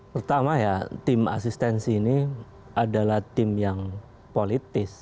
pertama ya tim asistensi ini adalah tim yang politis